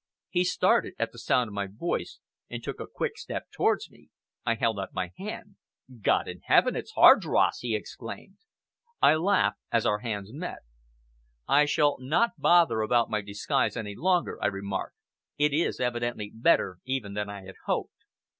He started at the sound of my voice, and took a quick step towards me. I held out my hand. "God in Heaven, it's Hardross!" he exclaimed. I laughed as our hands met. "I shall not bother about my disguise any longer," I remarked. "It is evidently better even than I had hoped."